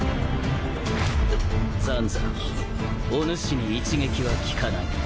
斬左おぬしに一撃は効かない。